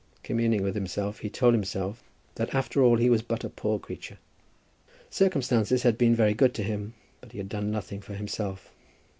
Communing with himself, he told himself that after all he was but a poor creature. Circumstances had been very good to him, but he had done nothing for himself.